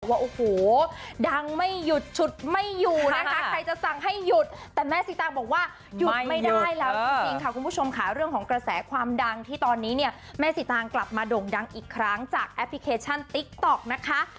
ว่าโอ้โหดังไม่หยุดฉุดไม่อยู่นะคะใครจะสั่งให้หยุดแต่แม่สีตางบอกว่าหยุดไม่ได้แล้วจริงค่ะคุณผู้ชมค่ะเรื่องของกระแสความดังที่ตอนนี้เนี่ยแม่สีตางกลับมาโด่งดังอีกครั้งจากแอปพลิเคชันติ๊กต๊อกนะคะ